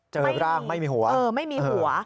เจอร่างไม่มีหัวไม่มีหัว